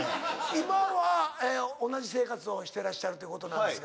今は同じ生活をしてらっしゃるということなんですか？